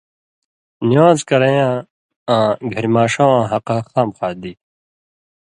نِوان٘ز کرَیں یاں آں گھریۡماݜہ واں حقہ خامخا دی؛